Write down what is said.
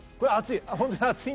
暑い！